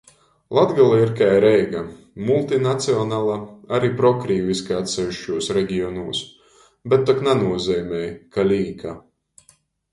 Latgola ir kai Reiga - multinacionala, ari prokrīviska atseviškūs regionūs, bet tok nanūzeimoj, ka līka.